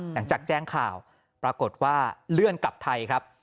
หลังจากแจ้งข่าวปรากฏว่าเลื่อนกลับไทยครับ